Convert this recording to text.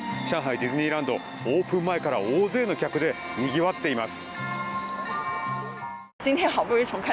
ディズニーランドオープン前から大勢の客でにぎわっています。